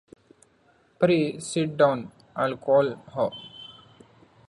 Pray sit down, I'll call her.